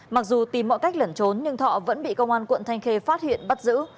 mặc dù tìm mọi cách lẩn trốn nhưng thọ vẫn bị công an quận thanh khê phát hiện bắt giữ